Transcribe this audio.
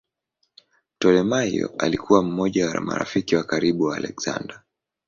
Ptolemaio alikuwa mmoja wa marafiki wa karibu wa Aleksander.